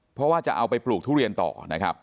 เพราะว่าจะเอาไปปลูกทุเรียนต่อนะครับ